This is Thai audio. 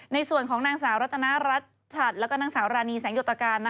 ในส่วนของหลังสาวรตนารัชชัดและหลังสาวอารณีแสงกรตการ